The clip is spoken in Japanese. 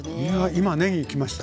今ねぎきました。